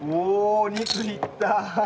お肉にいった！